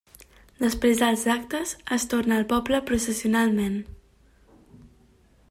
Després dels actes es torna al poble processionalment.